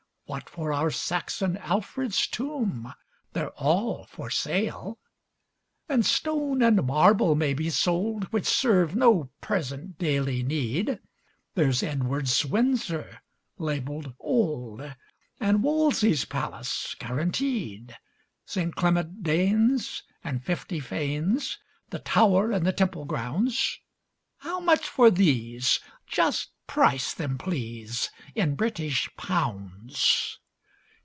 What for our Saxon Alfred's tomb? They're all for sale! And stone and marble may be sold Which serve no present daily need; There's Edward's Windsor, labelled old, And Wolsey's palace, guaranteed. St. Clement Danes and fifty fanes, The Tower and the Temple grounds; How much for these? Just price them, please, In British pounds.